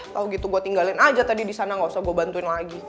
tau gitu gue tinggalin aja tadi disana gak usah gue bantuin lagi